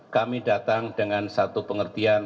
kami datang dengan satu pengertian